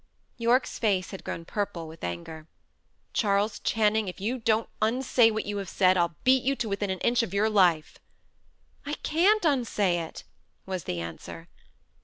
Yorke's face had grown purple with anger. "Charles Channing, if you don't unsay what you have said, I'll beat you to within an inch of your life." "I can't unsay it," was the answer.